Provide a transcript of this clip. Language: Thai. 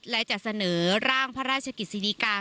และจะเสนอร่างพระราชกิจสิริกา